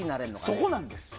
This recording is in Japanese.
そこなんですよ。